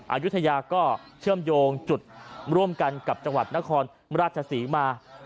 อายุทยาก็เชื่อมโยงจุดร่วมกันกับจังหวัดนครราชศรีมา